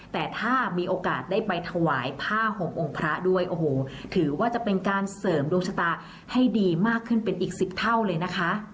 แต่ถ้ามีโอกาสได้ไปถวายผ้าห่มองค์พระด้วยโอ้โหถือว่าจะเป็นการเสริมดวงชะตาให้ดีมากขึ้นเป็นอีก๑๐เท่าเลยนะคะ